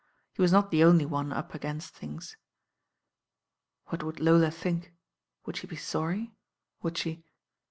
He was not the only one up against things. What would Lola think? Would she be sorry; would she